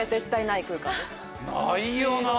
ないよな。